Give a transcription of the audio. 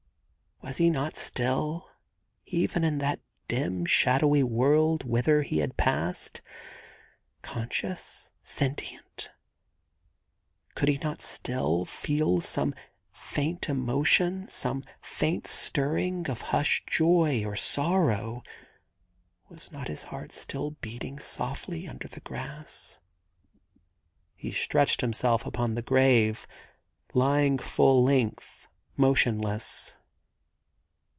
Was he not still, even in that dim shadowy world whither he had passed, conscious, sentient? Could he not still feel some faint emotion, some faint stirring of hushed joy or sorrow ? Was not his heart still beating softly under the grass? He stretched himself upon the grave, lying full length, motionless.